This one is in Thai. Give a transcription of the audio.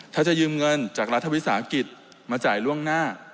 ถ้าจะยืมเงินจากรัฐวิทยาศาสตร์อังกฤษมาจ่ายล่วงหน้า